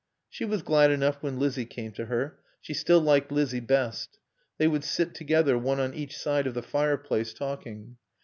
She was glad enough when Lizzie came to her; she still liked Lizzie best. They would sit together, one on each side of the fireplace, talking.